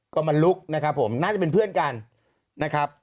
ก็มาลุกนะครับผมน่าจะเป็นเพื่อนกันนะครับ